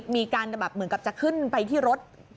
มีการอย่างเหมือนจะขึ้นไปที่รถ